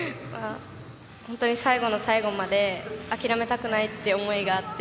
最後の最後まで諦めたくないという思いがあって。